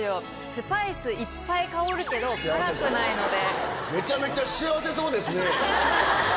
スパイスいっぱい香るけど辛くないので。